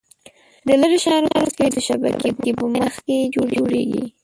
د لیرې شیانو تصویر د شبکیې په مخ کې جوړېږي.